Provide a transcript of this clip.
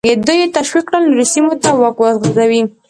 دوی یې تشویق کړل نورو سیمو ته واک وغځوي.